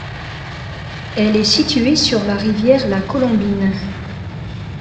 Elle est située sur la rivière La Colombine.